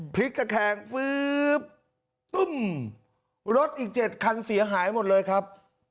พลิกตะแคงฟื๊บตุ้มรถอีก๗คันเสียหายหมดเลยครับ